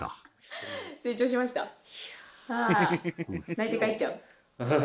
泣いて帰っちゃう？